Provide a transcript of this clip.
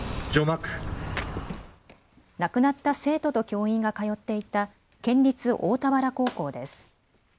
亡くなった生徒と教員が通っていた県立大田原高校です。